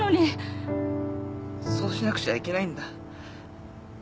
そうしなくちゃいけないんだ。